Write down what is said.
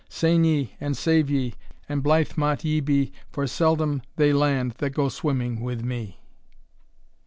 Sain ye, and save ye, and blithe mot ye be, For seldom they land that go swimming with me.